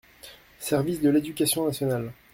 Service de l’éducation nationale.